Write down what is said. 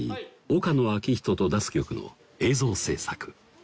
岡野昭仁と出す曲の映像制作